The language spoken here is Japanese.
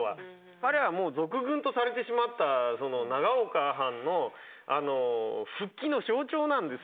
彼はもう賊軍とされてしまった長岡藩の復帰の象徴なんですよ。